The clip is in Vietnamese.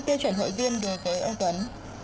tiêu chuẩn hội viên đối với ông tuấn